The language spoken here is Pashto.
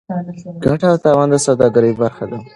ګټه او تاوان د سوداګرۍ برخه ده.